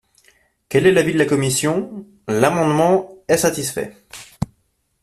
Quel est l’avis de la commission ? L’amendement est satisfait.